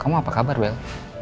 kamu apa kabar bel